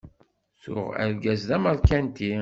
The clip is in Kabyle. Tuɣ argaz d ameṛkanti.